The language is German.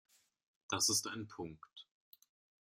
Das ist ein Punkt.